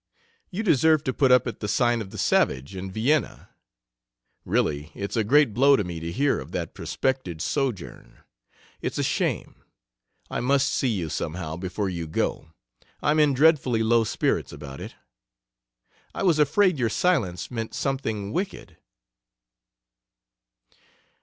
You deserve to put up at the Sign of the Savage in Vienna. Really, it's a great blow to me to hear of that prospected sojourn. It's a shame. I must see you, somehow, before you go. I'm in dreadfully low spirits about it. "I was afraid your silence meant something wicked."